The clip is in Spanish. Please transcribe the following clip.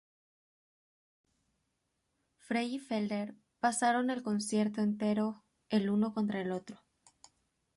Frey y Felder pasaron el concierto entero el uno contra el otro.